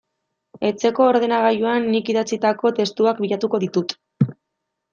Etxeko ordenagailuan nik idatzitako testuak bilatuko ditut.